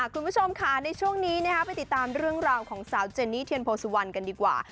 คุณผู้ชมค่ะในช่วงนี้ไปติดตามเรื่องราวของสาวเจนนี่เทียนโพสุวรรณกันดีกว่า